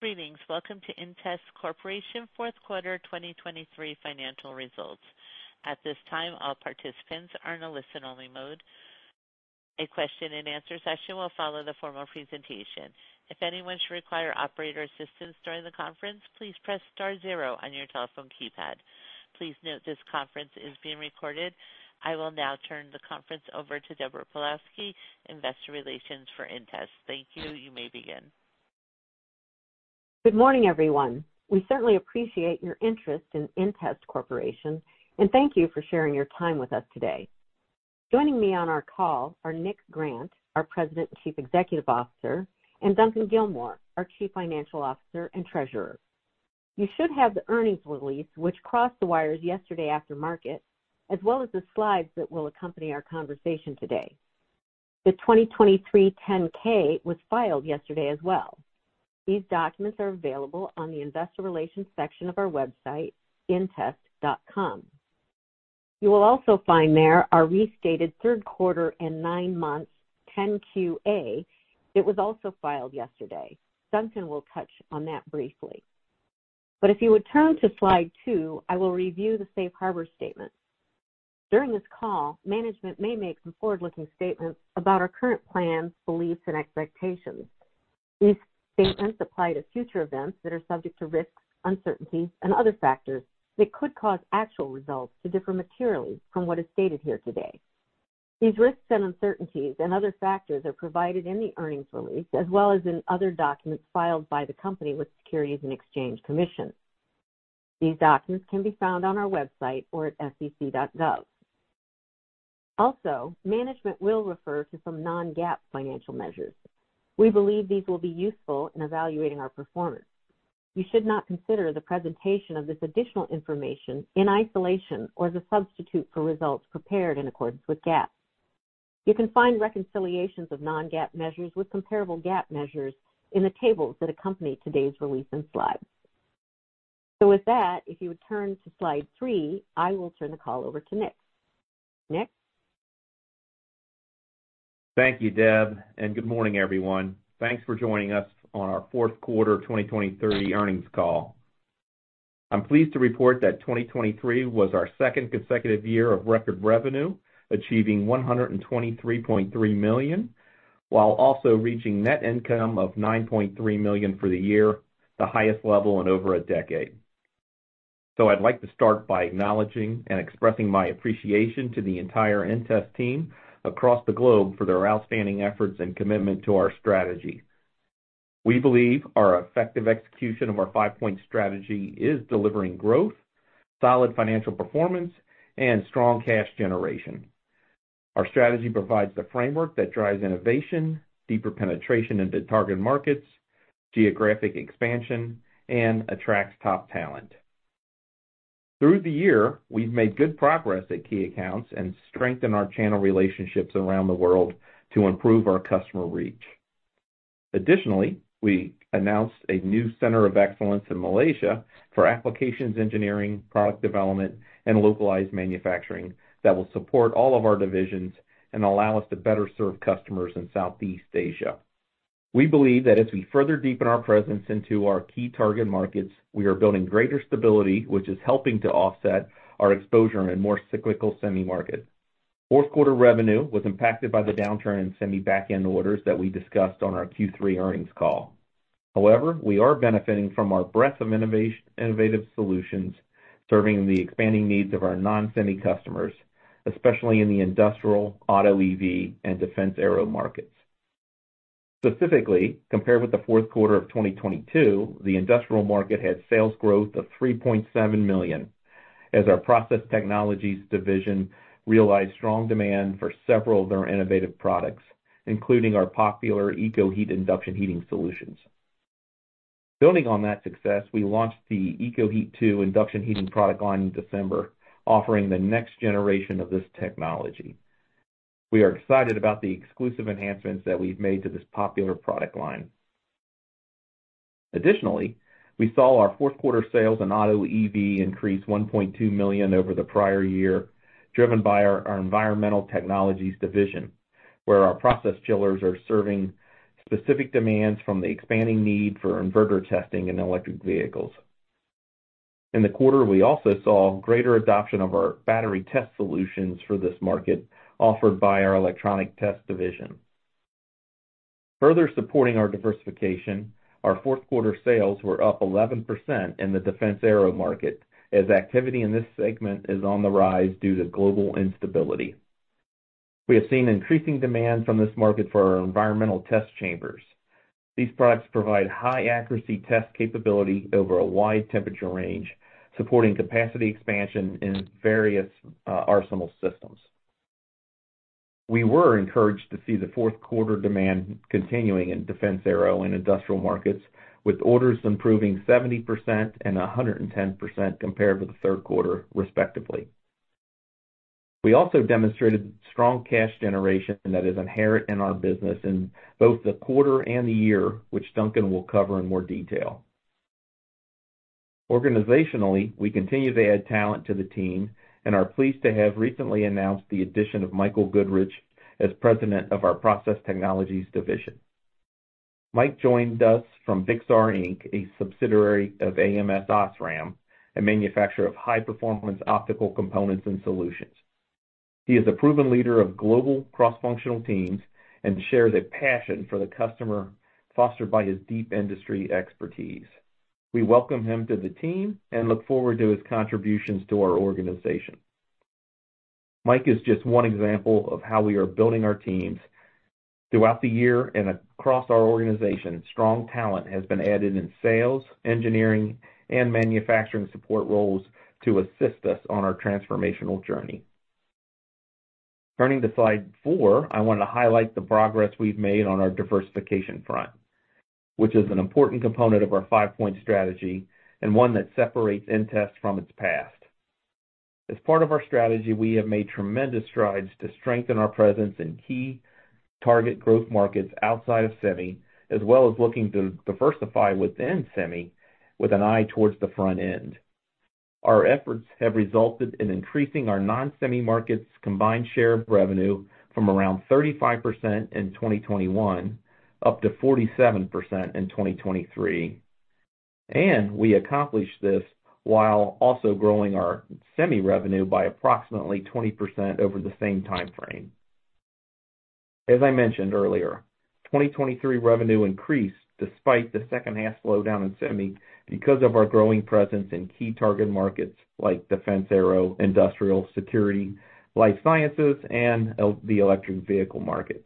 Greetings. Welcome to inTEST Corporation Fourth Quarter 2023 Financial Results. At this time, all participants are in a listen-only mode. A question-and-answer session will follow the formal presentation. If anyone should require operator assistance during the conference, please press star zero on your telephone keypad. Please note this conference is being recorded. I will now turn the conference over to Deborah Pawlowski, Investor Relations for inTEST. Thank you. You may begin. Good morning, everyone. We certainly appreciate your interest in inTEST Corporation, and thank you for sharing your time with us today. Joining me on our call are Nick Grant, our President and Chief Executive Officer, and Duncan Gilmour, our Chief Financial Officer and Treasurer. You should have the earnings release, which crossed the wires yesterday after market, as well as the slides that will accompany our conversation today. The 2023 10-K was filed yesterday as well. These documents are available on the Investor Relations section of our website, intest.com. You will also find there our restated third quarter and nine months 10-Q. It was also filed yesterday. Duncan will touch on that briefly. But if you would turn to slide two, I will review the Safe Harbor statement. During this call, management may make some forward-looking statements about our current plans, beliefs, and expectations. These statements apply to future events that are subject to risks, uncertainties, and other factors that could cause actual results to differ materially from what is stated here today. These risks and uncertainties and other factors are provided in the earnings release, as well as in other documents filed by the company with Securities and Exchange Commission. These documents can be found on our website or at sec.gov. Also, management will refer to some non-GAAP financial measures. We believe these will be useful in evaluating our performance. You should not consider the presentation of this additional information in isolation or as a substitute for results prepared in accordance with GAAP. You can find reconciliations of non-GAAP measures with comparable GAAP measures in the tables that accompany today's release and slides. So with that, if you would turn to slide three, I will turn the call over to Nick. Nick? Thank you, Deb, and good morning, everyone. Thanks for joining us on our fourth quarter of 2023 earnings call. I'm pleased to report that 2023 was our second consecutive year of record revenue, achieving $123.3 million, while also reaching net income of $9.3 million for the year, the highest level in over a decade. So I'd like to start by acknowledging and expressing my appreciation to the entire inTEST team across the globe for their outstanding efforts and commitment to our strategy. We believe our effective execution of our five-point strategy is delivering growth, solid financial performance, and strong cash generation. Our strategy provides the framework that drives innovation, deeper penetration into target markets, geographic expansion, and attracts top talent. Through the year, we've made good progress at key accounts and strengthened our channel relationships around the world to improve our customer reach. Additionally, we announced a new center of excellence in Malaysia for applications engineering, product development, and localized manufacturing that will support all of our divisions and allow us to better serve customers in Southeast Asia. We believe that as we further deepen our presence into our key target markets, we are building greater stability, which is helping to offset our exposure in a more cyclical semi market. Fourth quarter revenue was impacted by the downturn in semi back-end orders that we discussed on our Q3 earnings call. However, we are benefiting from our breadth of innovative solutions, serving the expanding needs of our non-semi customers, especially in the industrial, Auto/EV, and defense/aero markets. Specifically, compared with the fourth quarter of 2022, the industrial market had sales growth of $3.7 million, as our process technologies division realized strong demand for several of their innovative products, including our popular EKOHEAT induction heating solutions. Building on that success, we launched the EKOHEAT 2 induction heating product line in December, offering the next generation of this technology. We are excited about the exclusive enhancements that we've made to this popular product line. Additionally, we saw our fourth quarter sales in Auto/EV increase $1.2 million over the prior year, driven by our Environmental Technologies division, where our process chillers are serving specific demands from the expanding need for inverter testing in electric vehicles. In the quarter, we also saw greater adoption of our battery test solutions for this market, offered by our Electronic Test division. Further supporting our diversification, our fourth quarter sales were up 11% in the defense/aero market, as activity in this segment is on the rise due to global instability. We have seen increasing demand from this market for our environmental test chambers. These products provide high-accuracy test capability over a wide temperature range, supporting capacity expansion in various arsenal systems. We were encouraged to see the fourth quarter demand continuing in defense/aero and industrial markets, with orders improving 70% and 110% compared with the third quarter, respectively. We also demonstrated strong cash generation that is inherent in our business in both the quarter and the year, which Duncan will cover in more detail. Organizationally, we continue to add talent to the team, and are pleased to have recently announced the addition of Michael Goodrich as President of our Process Technologies division. Mike joined us from Vixar, Inc., a subsidiary of ams OSRAM, a manufacturer of high-performance optical components and solutions. He is a proven leader of global cross-functional teams and shares a passion for the customer, fostered by his deep industry expertise. We welcome him to the team and look forward to his contributions to our organization. Mike is just one example of how we are building our teams. Throughout the year and across our organization, strong talent has been added in sales, engineering, and manufacturing support roles to assist us on our transformational journey. Turning to slide four, I want to highlight the progress we've made on our diversification front, which is an important component of our five-point strategy and one that separates inTEST from its past. As part of our strategy, we have made tremendous strides to strengthen our presence in key target growth markets outside of Semi, as well as looking to diversify within Semi with an eye towards the front end. Our efforts have resulted in increasing our non-Semi markets combined share of revenue from around 35% in 2021 up to 47% in 2023. We accomplished this while also growing our Semi revenue by approximately 20% over the same time frame. As I mentioned earlier, 2023 revenue increased despite the second half slowdown in Semi, because of our growing presence in key target markets like defense, aero, industrial, security, life sciences, and the electric vehicle market.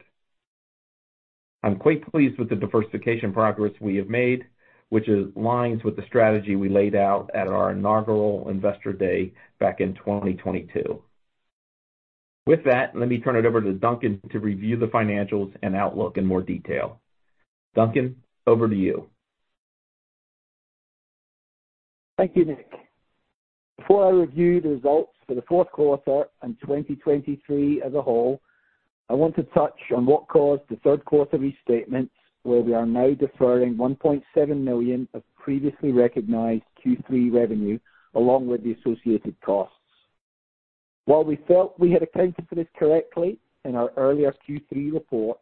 I'm quite pleased with the diversification progress we have made, which aligns with the strategy we laid out at our inaugural Investor Day back in 2022. With that, let me turn it over to Duncan to review the financials and outlook in more detail. Duncan, over to you. Thank you, Nick. Before I review the results for the fourth quarter and 2023 as a whole, I want to touch on what caused the third quarter restatements, where we are now deferring $1.7 million of previously recognized Q3 revenue, along with the associated costs. While we felt we had accounted for this correctly in our earlier Q3 report,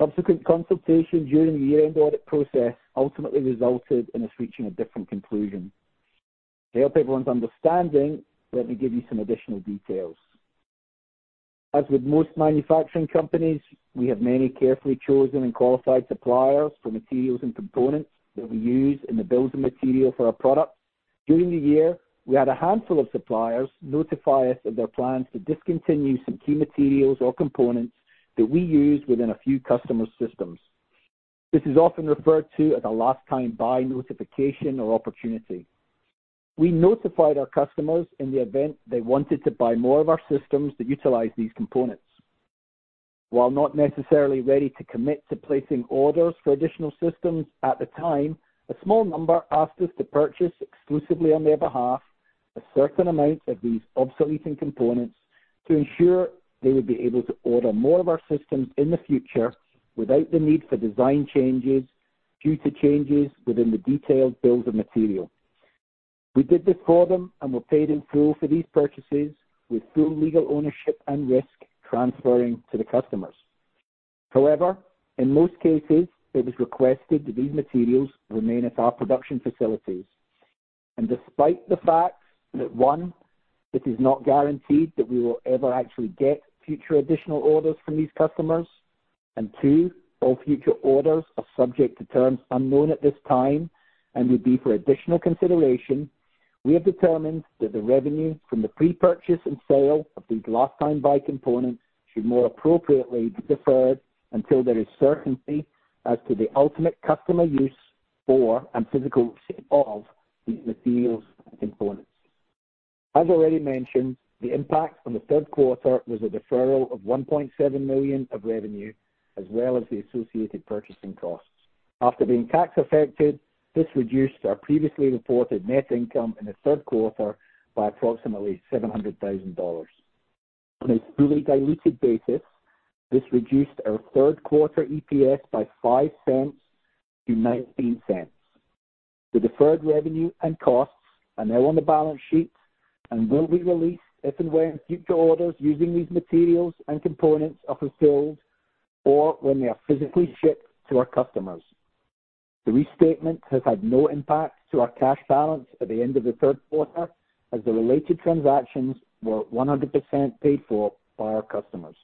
subsequent consultation during the year-end audit process ultimately resulted in us reaching a different conclusion. To help everyone's understanding, let me give you some additional details. As with most manufacturing companies, we have many carefully chosen and qualified suppliers for materials and components that we use in the building material for our product. During the year, we had a handful of suppliers notify us of their plans to discontinue some key materials or components that we use within a few customer systems. This is often referred to as a last-time buy notification or opportunity. We notified our customers in the event they wanted to buy more of our systems that utilize these components. While not necessarily ready to commit to placing orders for additional systems at the time, a small number asked us to purchase exclusively on their behalf, a certain amount of these obsoleting components to ensure they would be able to order more of our systems in the future without the need for design changes due to changes within the detailed bills of material. We did this for them and were paid in full for these purchases, with full legal ownership and risk transferring to the customers. However, in most cases, it was requested that these materials remain at our production facilities. And despite the fact that, one, it is not guaranteed that we will ever actually get future additional orders from these customers, and two, all future orders are subject to terms unknown at this time and would be for additional consideration, we have determined that the revenue from the pre-purchase and sale of these last-time buy components should more appropriately be deferred until there is certainty as to the ultimate customer use for, and physical state of, these materials and components. As already mentioned, the impact on the third quarter was a deferral of $1.7 million of revenue, as well as the associated purchasing costs. After being tax affected, this reduced our previously reported net income in the third quarter by approximately $700,000. On a fully diluted basis, this reduced our third quarter EPS by $0.05 to $0.19. The deferred revenue and costs are now on the balance sheet and will be released if and when future orders using these materials and components are fulfilled or when they are physically shipped to our customers. The restatement has had no impact to our cash balance at the end of the third quarter, as the related transactions were 100% paid for by our customers.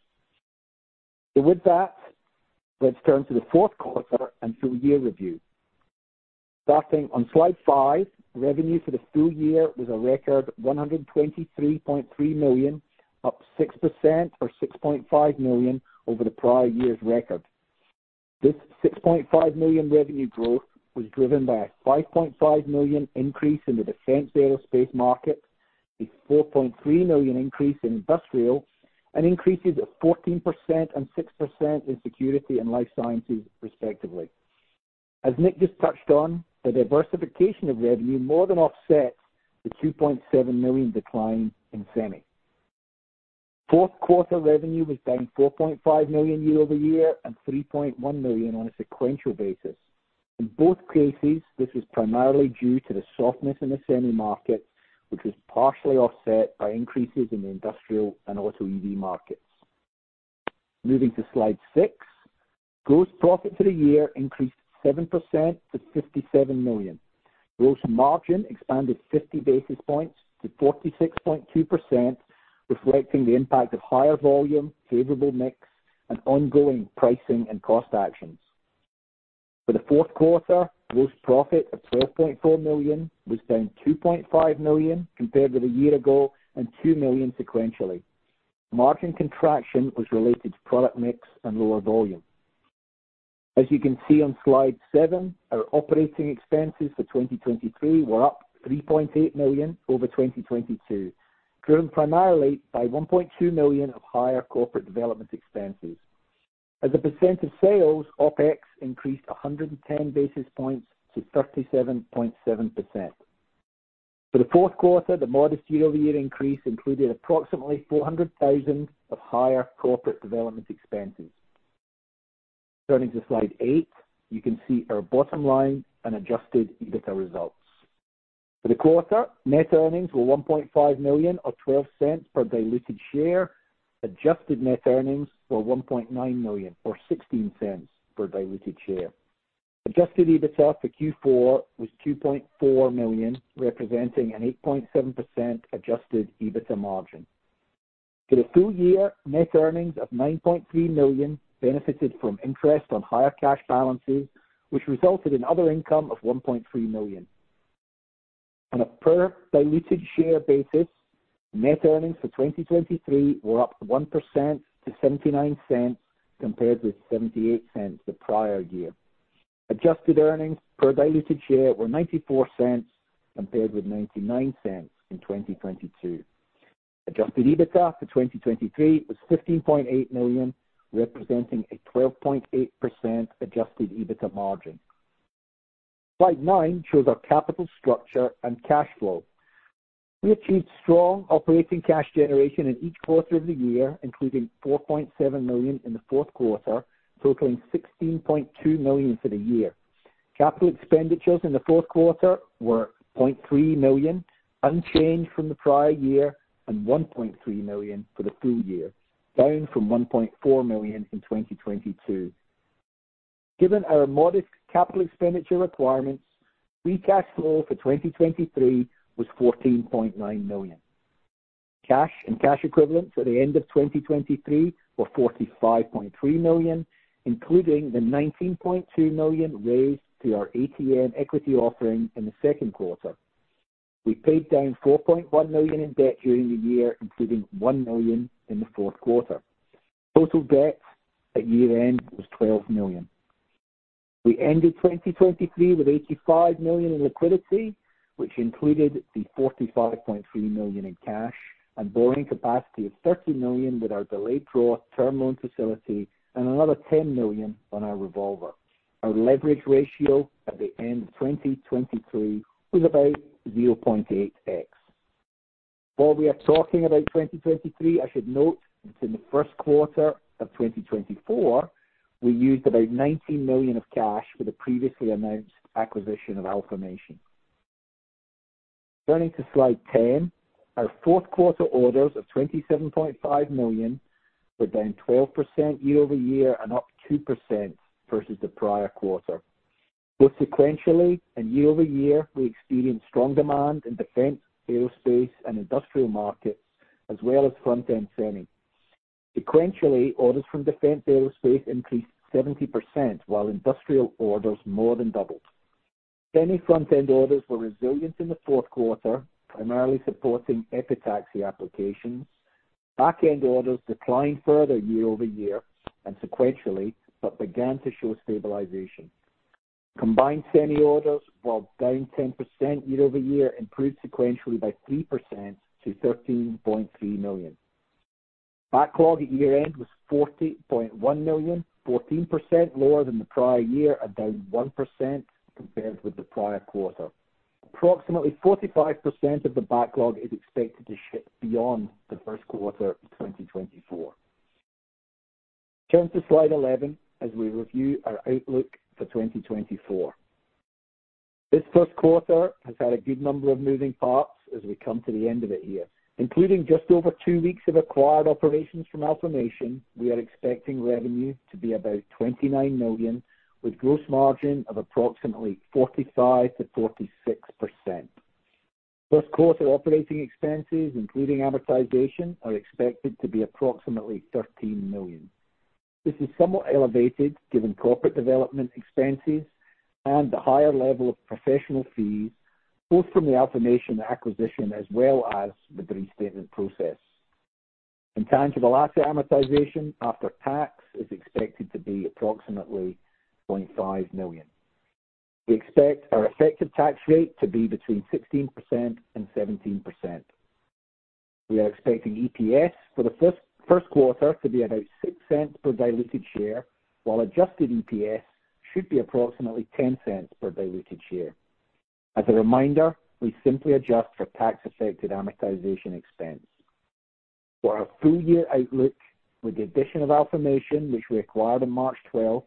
So with that, let's turn to the fourth quarter and full year review. Starting on slide five, revenue for the full year was a record $123.3 million, up 6% or $6.5 million over the prior year's record. This $6.5 million revenue growth was driven by a $5.5 million increase in the defense aerospace market, a $4.3 million increase in industrial, and increases of 14% and 6% in security and life sciences, respectively. As Nick just touched on, the diversification of revenue more than offsets the $2.7 million decline in Semi. Fourth quarter revenue was down $4.5 million year-over-year and $3.1 million on a sequential basis. In both cases, this was primarily due to the softness in the semi market, which was partially offset by increases in the industrial and autoEV markets. Moving to Slide six, gross profit for the year increased 7% to $57 million. Gross margin expanded 50 basis points to 46.2%, reflecting the impact of higher volume, favorable mix, and ongoing pricing and cost actions. For the fourth quarter, gross profit of $12.4 million was down $2.5 million compared with a year ago and $2 million sequentially. Margin contraction was related to product mix and lower volume. As you can see on Slide seven, our operating expenses for 2023 were up $3.8 million over 2022, driven primarily by $1.2 million of higher corporate development expenses. As a percent of sales, OpEx increased 110 basis points to 37.7%. For the fourth quarter, the modest year-over-year increase included approximately $400,000 of higher corporate development expenses. Turning to Slide eight, you can see our bottom line and adjusted EBITDA results. For the quarter, net earnings were $1.5 million, or $0.12 per diluted share. Adjusted net earnings were $1.9 million, or $0.16 per diluted share. Adjusted EBITDA for Q4 was $2.4 million, representing an 8.7% adjusted EBITDA margin. For the full year, net earnings of $9.3 million benefited from interest on higher cash balances, which resulted in other income of $1.3 million. On a per diluted share basis, net earnings for 2023 were up 1% to $0.79, compared with $0.78 the prior year. Adjusted earnings per diluted share were $0.94, compared with $0.99 in 2022. Adjusted EBITDA for 2023 was $15.8 million, representing a 12.8% adjusted EBITDA margin. Slide nine shows our capital structure and cash flow. We achieved strong operating cash generation in each quarter of the year, including $4.7 million in the fourth quarter, totaling $16.2 million for the year. Capital expenditures in the fourth quarter were $0.3 million, unchanged from the prior year, and $1.3 million for the full year, down from $1.4 million in 2022. Given our modest capital expenditure requirements, free cash flow for 2023 was $14.9 million. Cash and cash equivalents at the end of 2023 were $45.3 million, including the $19.2 million raised through our ATM equity offering in the second quarter. We paid down $4.1 million in debt during the year, including $1 million in the fourth quarter. Total debt at year-end was $12 million. We ended 2023 with $85 million in liquidity, which included the $45.3 million in cash and borrowing capacity of $30 million with our delayed draw term loan facility and another $10 million on our revolver. Our leverage ratio at the end of 2023 was about 0.8x. While we are talking about 2023, I should note that in the first quarter of 2024, we used about $19 million of cash for the previously announced acquisition of Alfamation. Turning to Slide 10, our fourth quarter orders of $27.5 million were down 12% year-over-year and up 2% versus the prior quarter. Both sequentially and year-over-year, we experienced strong demand in defense, aerospace, and industrial markets, as well as front-end semi. Sequentially, orders from defense aerospace increased 70%, while industrial orders more than doubled. Semi front-end orders were resilient in the fourth quarter, primarily supporting epitaxy applications. Back-end orders declined further year-over-year and sequentially, but began to show stabilization. Combined semi orders, while down 10% year-over-year, improved sequentially by 3% to $13.3 million. Backlog at year-end was $40.1 million, 14% lower than the prior year and down 1% compared with the prior quarter. Approximately 45% of the backlog is expected to ship beyond the first quarter of 2024. Turn to Slide 11 as we review our outlook for 2024. This first quarter has had a good number of moving parts as we come to the end of it here, including just over 2 weeks of acquired operations from Alfamation; we are expecting revenue to be about $29 million, with gross margin of approximately 45%-46%. First quarter operating expenses, including amortization, are expected to be approximately $13 million. This is somewhat elevated given corporate development expenses and the higher level of professional fees, both from the Alfamation acquisition as well as the restatement process. Intangible asset amortization after tax is expected to be approximately $0.5 million. We expect our effective tax rate to be between 16% and 17%. We are expecting EPS for the first quarter to be about $0.06 per diluted share, while adjusted EPS should be approximately $0.10 per diluted share. As a reminder, we simply adjust for tax-affected amortization expense. For our full-year outlook, with the addition of Alfamation, which we acquired on March 12th,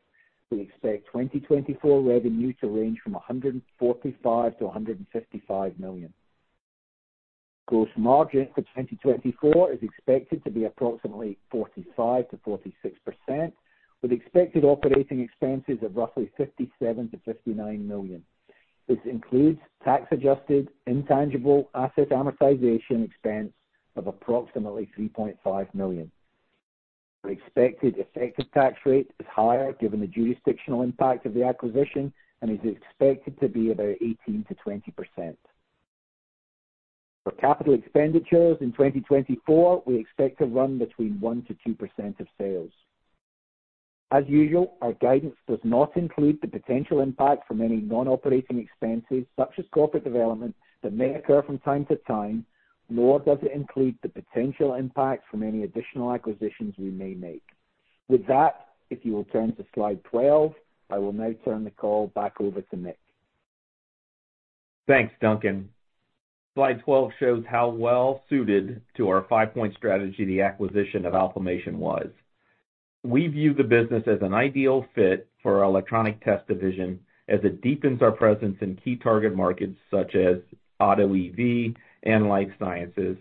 we expect 2024 revenue to range from $145 million-$155 million. Gross margin for 2024 is expected to be approximately 45%-46%, with expected operating expenses of roughly $57 million-$59 million. This includes tax-adjusted intangible asset amortization expense of approximately $3.5 million. Our expected effective tax rate is higher, given the jurisdictional impact of the acquisition, and is expected to be about 18%-20%. For capital expenditures in 2024, we expect to run between 1%-2% of sales. As usual, our guidance does not include the potential impact from any non-operating expenses, such as corporate development, that may occur from time to time, nor does it include the potential impact from any additional acquisitions we may make. With that, if you will turn to slide 12, I will now turn the call back over to Nick. Thanks, Duncan. Slide 12 shows how well suited to our 5-point strategy the acquisition of Alfamation was. We view the business as an ideal fit for our Electronic Test division, as it deepens our presence in key target markets, such as AutoEV and life sciences,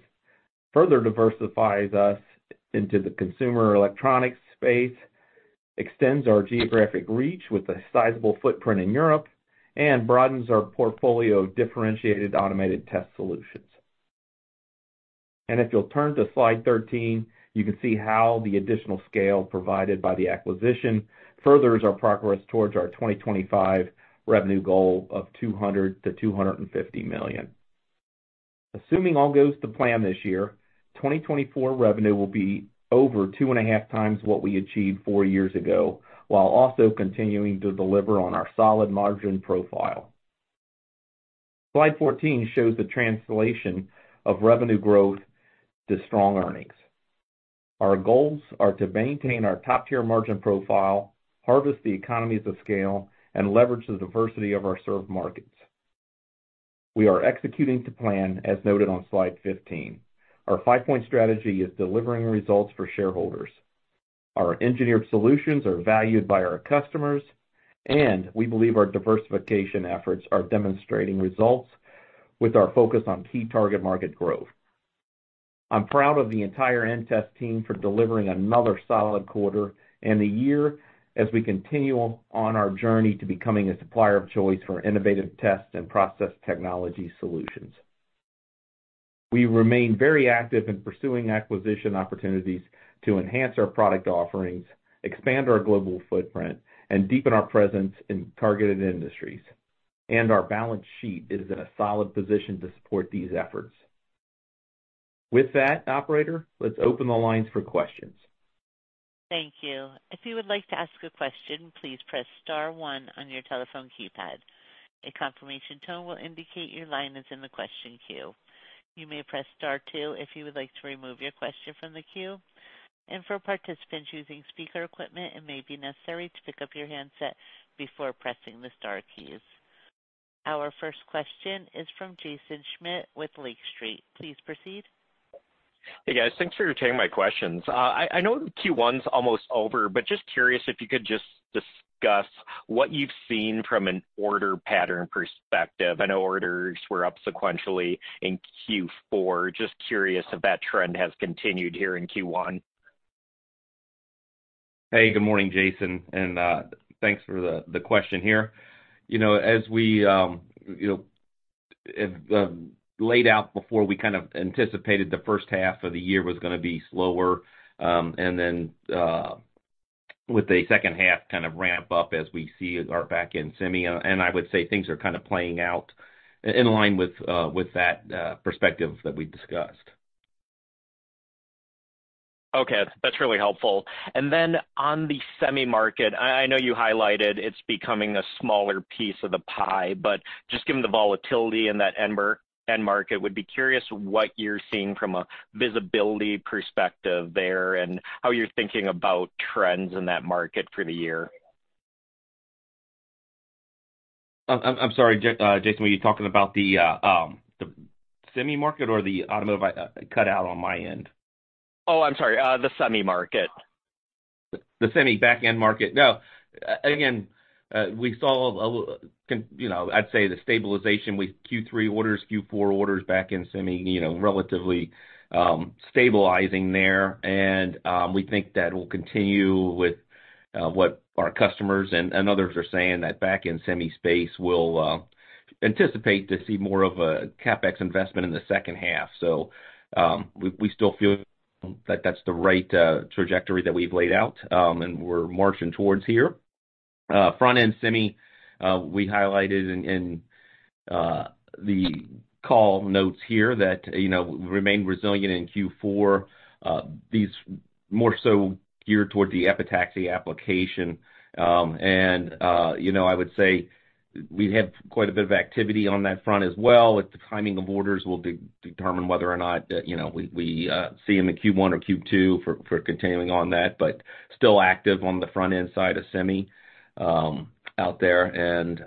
further diversifies us into the consumer electronics space, extends our geographic reach with a sizable footprint in Europe, and broadens our portfolio of differentiated automated test solutions. If you'll turn to slide 13, you can see how the additional scale provided by the acquisition furthers our progress towards our 2025 revenue goal of $200 million-$250 million. Assuming all goes to plan this year, 2024 revenue will be over 2.5 times what we achieved 4 years ago, while also continuing to deliver on our solid margin profile. Slide 14 shows the translation of revenue growth to strong earnings. Our goals are to maintain our top-tier margin profile, harvest the economies of scale, and leverage the diversity of our served markets. We are executing to plan, as noted on slide 15. Our five-point strategy is delivering results for shareholders. Our engineered solutions are valued by our customers, and we believe our diversification efforts are demonstrating results with our focus on key target market growth. I'm proud of the entire inTEST team for delivering another solid quarter and a year as we continue on our journey to becoming a supplier of choice for innovative test and process technology solutions. We remain very active in pursuing acquisition opportunities to enhance our product offerings, expand our global footprint, and deepen our presence in targeted industries, and our balance sheet is in a solid position to support these efforts. With that, operator, let's open the lines for questions. Thank you. If you would like to ask a question, please press star one on your telephone keypad. A confirmation tone will indicate your line is in the question queue. You may press star two if you would like to remove your question from the queue. And for participants using speaker equipment, it may be necessary to pick up your handset before pressing the star keys. Our first question is from Jaeson Schmidt with Lake Street. Please proceed. Hey, guys. Thanks for taking my questions. I know Q1's almost over, but just curious if you could just discuss what you've seen from an order pattern perspective. I know orders were up sequentially in Q4. Just curious if that trend has continued here in Q1. Hey, good morning, Jaeson, and thanks for the question here. You know, as we you know laid out before, we kind of anticipated the first half of the year was gonna be slower, and then with the second half kind of ramp up as we see our back-end semi. And I would say things are kind of playing out in line with that perspective that we discussed. Okay, that's really helpful. And then on the semi market, I know you highlighted it's becoming a smaller piece of the pie, but just given the volatility in that end market, would be curious what you're seeing from a visibility perspective there and how you're thinking about trends in that market for the year. I'm sorry, Jason, were you talking about the semi market or the automotive? I cut out on my end. Oh, I'm sorry, the semi market. The semi back-end market. No, again, we saw a you know, I'd say the stabilization with Q3 orders, Q4 orders back in semi, you know, relatively, stabilizing there. And we think that will continue with what our customers and others are saying, that back-end semi space will anticipate to see more of a CapEx investment in the second half. So we still feel that that's the right trajectory that we've laid out and we're marching towards here. Front-end semi, we highlighted in the call notes here that you know, remained resilient in Q4. these more so geared toward the epitaxy application. And, you know, I would say we have quite a bit of activity on that front as well, with the timing of orders will determine whether or not, you know, we see them in Q1 or Q2 for continuing on that, but still active on the front-end side of semi out there. And,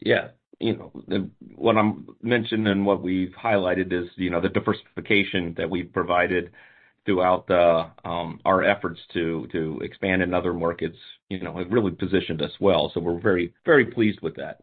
yeah, you know, what I'm mentioning and what we've highlighted is, you know, the diversification that we've provided throughout our efforts to expand in other markets, you know, have really positioned us well. So we're very, very pleased with that.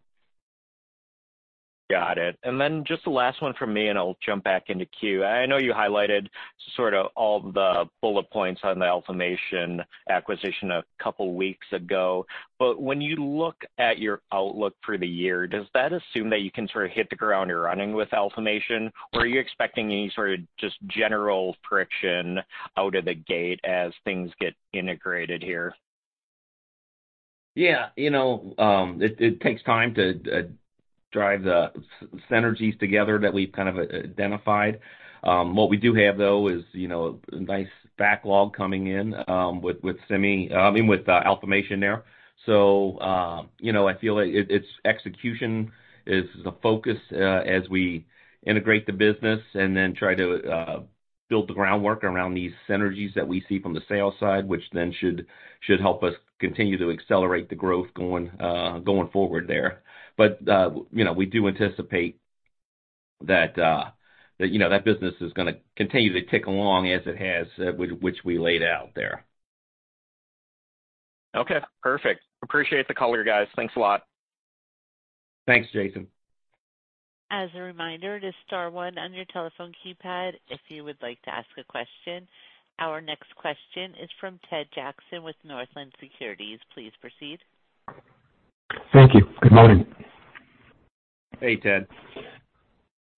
Got it. And then just the last one from me, and I'll jump back into queue. I know you highlighted sort of all the bullet points on the Alfamation acquisition a couple weeks ago, but when you look at your outlook for the year, does that assume that you can sort of hit the ground running with Alfamation? Or are you expecting any sort of just general friction out of the gate as things get integrated here? Yeah, you know, it takes time to drive the synergies together that we've kind of identified. What we do have, though, is, you know, nice backlog coming in, with, with I mean, with Alfamation there. So, you know, I feel like it's execution is the focus, as we integrate the business and then try to build the groundwork around these synergies that we see from the sales side, which then should help us continue to accelerate the growth going, going forward there. But, you know, we do anticipate that, that, you know, that business is gonna continue to tick along as it has, which we laid out there. Okay, perfect. Appreciate the color, guys. Thanks a lot. Thanks, Jaeson. As a reminder, it is star one on your telephone keypad if you would like to ask a question. Our next question is from Ted Jackson with Northland Securities. Please proceed. Thank you. Good morning. Hey, Ted.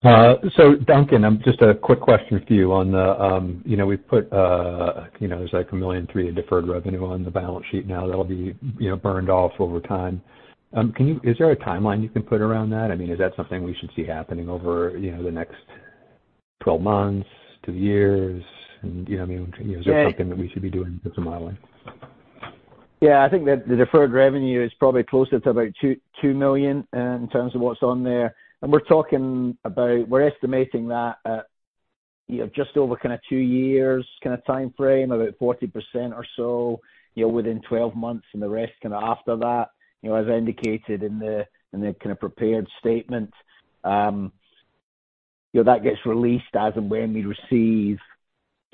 So Duncan, just a quick question for you on the, you know, we've put, you know, there's like $1.3 million in deferred revenue on the balance sheet now, that'll be, you know, burned off over time. Can you- is there a timeline you can put around that? I mean, is that something we should see happening over, you know, the next 12 months, two years? And, you know, I mean, is there something that we should be doing with the modeling? Yeah, I think that the deferred revenue is probably closer to about $2 million in terms of what's on there. We're talking about, we're estimating that at, you know, just over kind of two years kind of time frame, about 40% or so, you know, within 12 months, and the rest, kind of after that. You know, as indicated in the, in the kind of prepared statement, you know, that gets released as and when we receive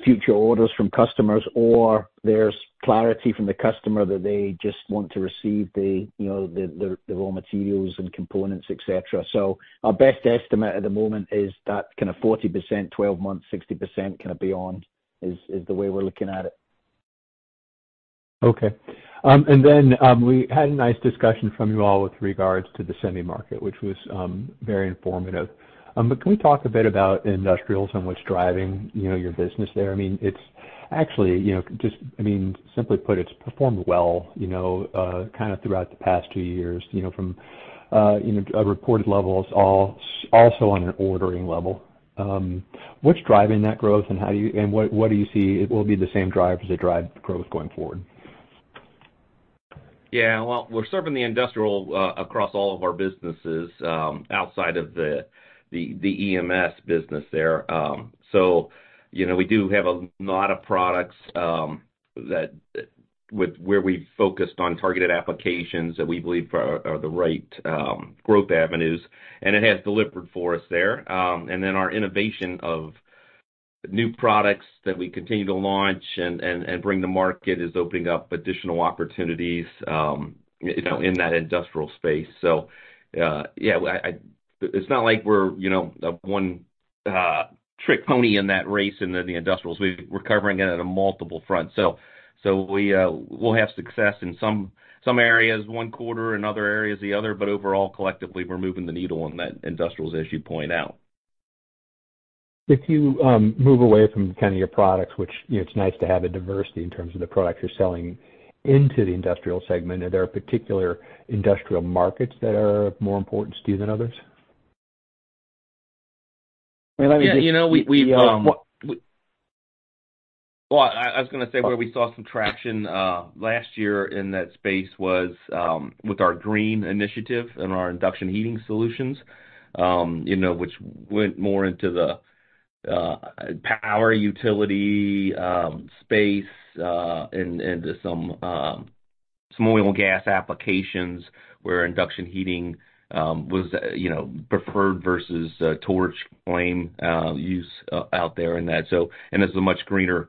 future orders from customers, or there's clarity from the customer that they just want to receive the, you know, the, the, the raw materials and components, etc. So our best estimate at the moment is that kind of 40%, 12 months, 60%, kind of beyond is the way we're looking at it. Okay. And then, we had a nice discussion from you all with regards to the semi market, which was very informative. But can we talk a bit about industrials and what's driving, you know, your business there? I mean, it's actually, you know, just, I mean, simply put, it's performed well, you know, kind of throughout the past two years, you know, from, you know, a reported level as also on an ordering level. What's driving that growth, and how do you and what, what do you see will be the same drivers that drive growth going forward? Yeah. Well, we're serving the industrial across all of our businesses outside of the EMS business there. So, you know, we do have a lot of products where we've focused on targeted applications that we believe are the right growth avenues, and it has delivered for us there. And then our innovation of new products that we continue to launch and bring to market is opening up additional opportunities, you know, in that industrial space. So, yeah, it's not like we're, you know, a one trick pony in that race and in the industrials, we're covering it at a multiple front. We’ll have success in some areas one quarter and other areas the other, but overall, collectively, we’re moving the needle on that industrials, as you point out. If you move away from kind of your products, which, you know, it's nice to have a diversity in terms of the products you're selling into the industrial segment, are there particular industrial markets that are of more importance to you than others? Yeah, you know, we've Well- Well, I was gonna say, where we saw some traction last year in that space was with our green initiative and our induction heating solutions, you know, which went more into the power utility space and into some oil and gas applications, where induction heating was, you know, preferred versus torch flame use out there in that, so. And it's a much greener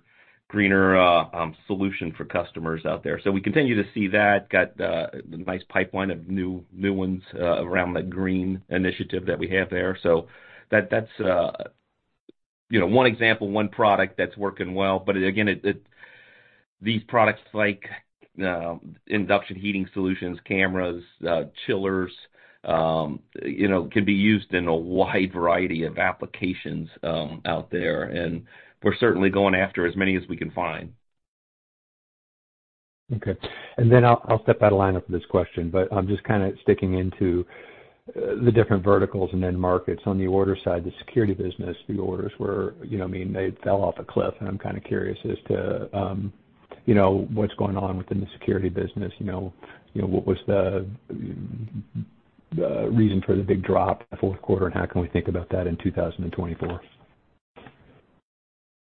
solution for customers out there. So we continue to see that, got a nice pipeline of new ones around the green initiative that we have there. So that's, you know, one example, one product that's working well. But again, these products, like induction heating solutions, cameras, chillers, you know, can be used in a wide variety of applications out there. We're certainly going after as many as we can find. Okay, and then I'll step out of lineup for this question, but I'm just kind of sticking into the different verticals and end markets. On the order side, the security business, the orders were, you know, I mean, they fell off a cliff, and I'm kind of curious as to, you know, what's going on within the security business. You know, you know, what was the, the reason for the big drop in the fourth quarter, and how can we think about that in 2024?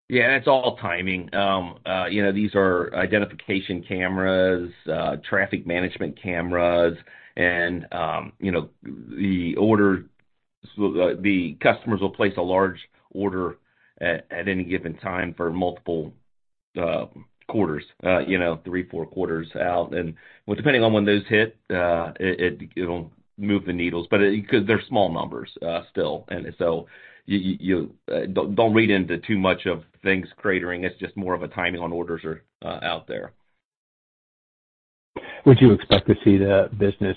Yeah, it's all timing. You know, these are identification cameras, traffic management cameras, and, you know, the order—so the customers will place a large order at any given time for multiple quarters, you know, three, four quarters out. Well, depending on when those hit, it'll move the needles, but because they're small numbers, still. So you don't read into too much of things cratering. It's just more of a timing on orders are out there. Would you expect to see the business...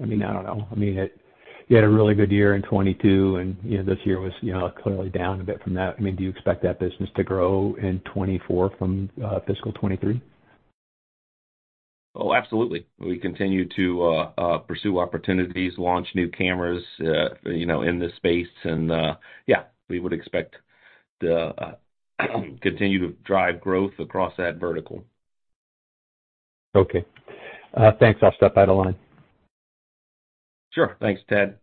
I mean, I don't know. I mean, if you had a really good year in 2022, and, you know, this year was, you know, clearly down a bit from that. I mean, do you expect that business to grow in 2024 from fiscal 2023? Oh, absolutely. We continue to pursue opportunities, launch new cameras, you know, in this space, and, yeah, we would expect to continue to drive growth across that vertical. Okay. Thanks. I'll step out of line. Sure. Thanks, Ted.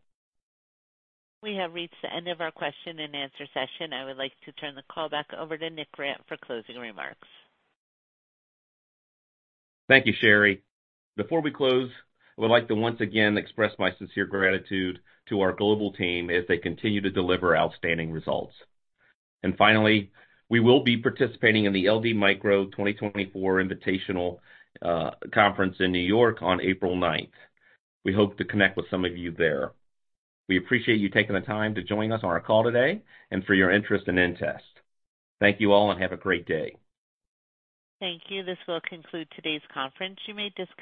We have reached the end of our question-and-answer session. I would like to turn the call back over to Nick Grant for closing remarks. Thank you, Sherry. Before we close, I would like to once again express my sincere gratitude to our global team as they continue to deliver outstanding results. Finally, we will be participating in the LD Micro 2024 Invitational conference in New York on April 9th. We hope to connect with some of you there. We appreciate you taking the time to join us on our call today and for your interest in inTEST. Thank you all, and have a great day. Thank you. This will conclude today's conference. You may disconnect.